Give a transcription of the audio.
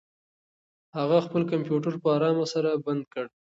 هغه خپل کمپیوټر په ارامه سره بند کړ.